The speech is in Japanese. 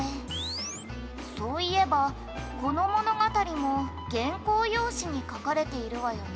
「そういえばこの物語も原稿用紙に書かれているわよね」